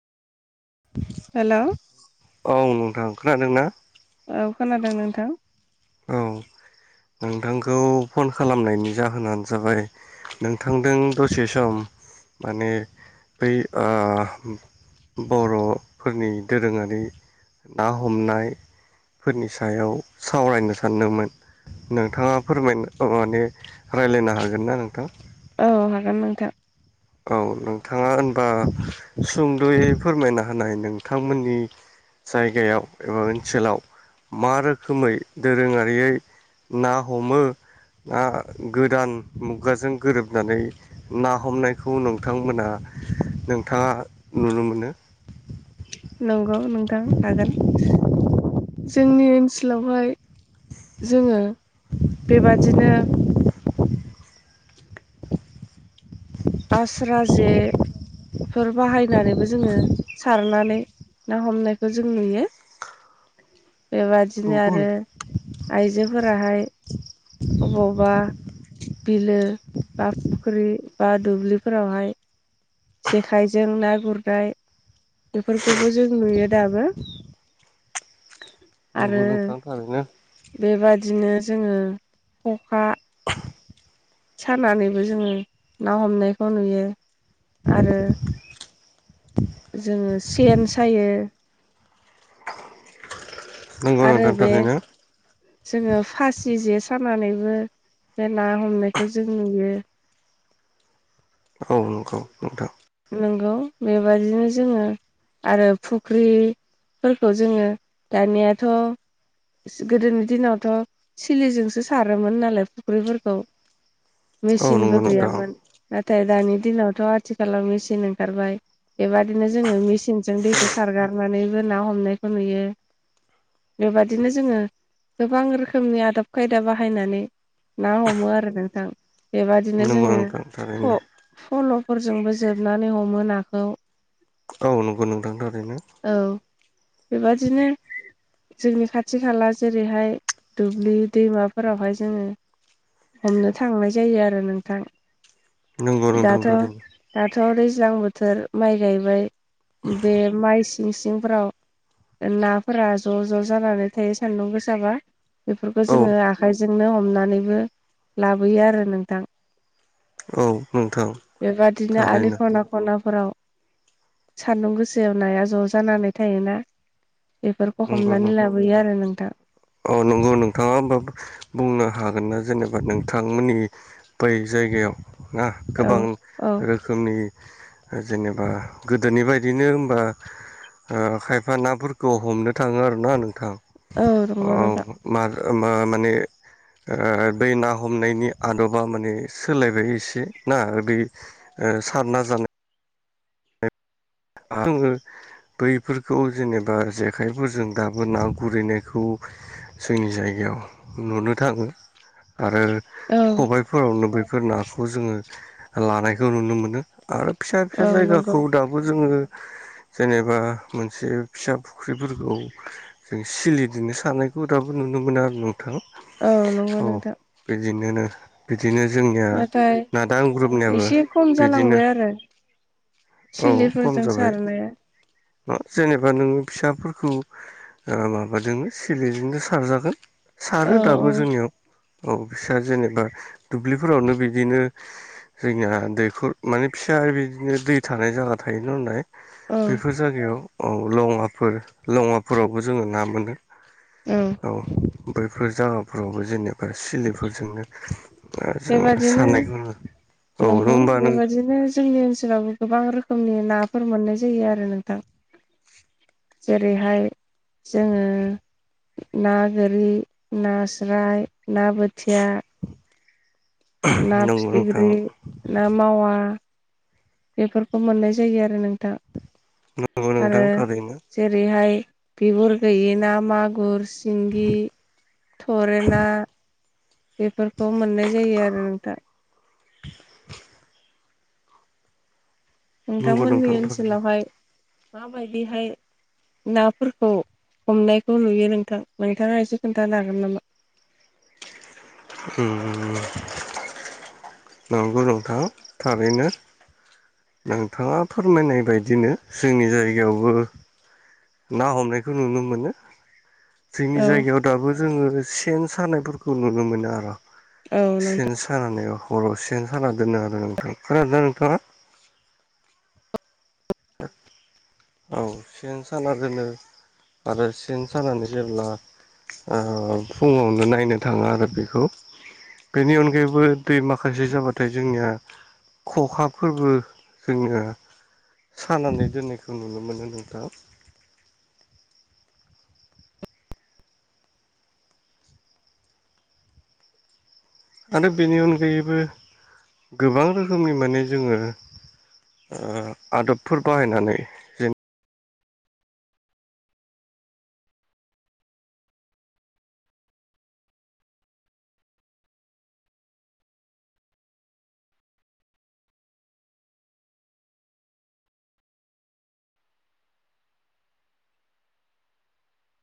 हेल' ओं खोनादों ना औ खोनादों नोंथां औ नोंथांखौ फन खालामनायनि जाहोनानो जाबाय नोंथांदों दसे सम माने बै ओ बर'फोरनि दोरोङारि ना हमनाय फोरनि सायाव सावरायनो सानदोंमोन नोंथाङा फोरमाय अ माने रायज्लायनो हागोन ना नोंथां औ हागोन नोंथां औ नोंथाङा होनबा सुंद'यै फोरमायना होनाय नोंथांमोननि जायगायाव एबा ओनसोलाव मा रोखोमै दोरोङारियै ना हमो ना गोदान मुगाजों गोरोबनानै ना हमनाय खौ नोंथांमोना नोंथाङा नुनो मोनो नंगौ नोंथां हागोन जोंनि ओनसोलावहाय जोङो बेबादिनो आसस्रा जे फोर बाहायनानैबो जोङो सारनानै ना हमनायखौ जों नुयो [unintelligible] बेबादिनो नंगौ आरो आइजोफोराहाय अबावबा बिलो बा फुख्रि बा दुब्लिफोरावहाय जेखाइजों ना गुरनाय बेफोरखौबो जों नुयो दाबो [inaudible] नंगौ आरो नोंथां थारैनो बेबादिनो जोङो ख'खा सानानैबो जोङो ना हमनायखौ नुयो आरो जोङो सेन सायो नंगौ आरो नोंथां बे थारैनो जोङो फासि जे सानानैबो बे ना हमनायखौ जों नुयो औ नंगौ नोंथां नंगौ बेबदिनो जोङो आरो फुख्रि फोरखौ जोङो दानियाथ' गोदोनि दिनावथ' सिलिजोंसो सारोमोन नालाय फुख्रिफोरखौ औ मेचिनबो नंगौ नोंथां गैयामोन नाथाय दानि दिनावथ' आथिखालाव मेचिन ओंखारबाय बेबादिनो जोङो मेचिनजों दैखौ सारगारनानैबो ना हमनायखौ नुयो बेबादिनो जोङो गोबां रोखोमनि आदब खायदा बाहायनानै ना हमो आरो नोंथां बेबादि दिनो नंगौ जोङो नोंथां फ थारैनो फल'फोरजोंबो जोबनानै हमो नाखौ औ नंगौ नोंथां थारैनो औ बेबादिनो जोंनि खाथि खाला जेरैहाय दुब्लि दैमाफोरावहाय जोङो। हमनो थांनाय जायो आरो नोंथां। नंगौ नोंथां दाथ' थारैनो दाथ' दैज्लां बोथोर माइ गायबाय। बे माइ सिं सिंफोराव नाफोरा ज' ज' जानानै थायो सानदुं गोसाबा। बेफोरखौ औ जोङो आखाइजोंनो हमनानैबो लाबोयो आरो नोंथां। औ नोंथां बेबादिनो आलि थारैनो ख'ना ख'नाफोराव। सानदुं गोसायाव नाया ज' जानानै थायोना। बेफोरखौ नंगौ नों हमनानै लाबोयो आरो नोंथां। औ नंगौ नोंथाङा होमबा बुंनो हागोन ना जेनेबा नोंथांमोननि बै जायगायाव। ना औ गोबां औ रोखोमनि। जेनेबा गोदोनि बायदिनो होनबा ओ खायफा नाफोरखौ हमनो थाङो आरोना नोंथां। औ नंगौ नोंथां। ओ मा माने ओ बै ना हमनायनि आदबा माने सोलायबाय एसे ना बे। ओ सारना जानाय। आङो बैफोरखौ जेनेबा जेखाइफोरजों दाबो ना गुरैनायखौ। जोंनि जायगायाव नुनो थाङो। आरो औ खबायाइफोरावनो बे बे नाखौ जोङो लानायखौ नुनो मोनो आरो फिसा फिसा औ नंगौ जायगाखौ दाबो। जोङो। जेनेबा मोनसे फिसा फुख्रिफोरखौ जों सिलिदिनो सानायखौ दाबो नु नुनो मोनो आरो नों औ नंगौ नोंथां। बिदिनो बि बिदिनो जोंनिया नाथाय नादां ग्रुपनियाबो एसे खम बिदिनो जालांबाय औ। जों जाबाय सारनाया जेनेबा नोङो फिसाफोरखौ ओ माबाजोंनो सिलिजोंनो सारजागोन औ सारो औ दाबो जोंनियाव औ बिस्रा जेनेबा दुब्लिफोरावनो बिदिनो। जोंनिया दैखर माने फिसा बिदिनो दै थानाय जागोन। थायोना नानलाय औ बेफोर जायगायाव। औ लङाफोर लङाफोरावबो जोङो ना मोनो। औ बैफोर जागाफोरावबो जेनेबा सिलिफोरजोंनो। जोङो बेबादिनो सानायखौ नु नंगौ बेबादिनो जोंनि ओनसोलावबो गोबां रोखोमनि। नाफोर मोननाय जायो आरो नोंथां। जेरैहाय जोङो। ना गोरै नास्राय ना बोथिया। ना नंगौ नोंथां फिथिख्रि ना मावा। बेफोरखौ मोननाय जायो आरो नोंथां। नंगौ नोंथां आरो थारैनो जेरैहाय बिगुर गैयि ना मागुर सिंगि थरेना बेफोरखौ मोननाय जायो आरो नोंथां। [inaudible] नंगौ नोंथांमोननि नोंथां थारैनो ओनसोलावहाय माबायदिहाय नाफोरखौ हमनायखौ नुयो नोंथां नोंथाङा एसे खोन्थानो हागोन नामा? होम नंगौ नोंथां थारैनो। नोंथाङा फोरमायनाय बायदिनो जोंनि जायगायावबो ना हमनायखौ नुनो मोनो जोंनि औ जायगायाव दाबो जोङो सेन सानायफोरखौ नुनो मोनो आरो औ नों सेन सानानै औ हराव सेन साना दोनो आरो नोंथां खोनादोंना नोंथाङा औ सेन साना दोनो आरो सेन सानानै जेब्ला ओ फुङावनो नायनो थाङो आरो बेखौ बेनि अनगायैबो दै माखासे जाबाथाय जोंनिया खखा फोरबो जोङो सानानै दोननायखौ नुनो मोनो नोंथां आरो बेनि अनगायैबो गोबां रोखोमनि माने जोङो ओ आदबफोर बाहायनानै जेन